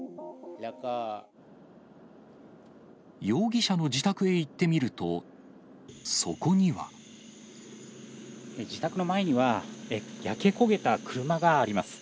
容疑者の自宅へ行ってみると、自宅の前には、焼け焦げた車があります。